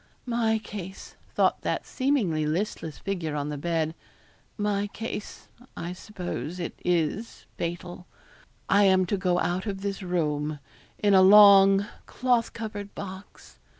'My case,' thought that seemingly listless figure on the bed; 'my case I suppose it is fatal I am to go out of this room in a long cloth covered box.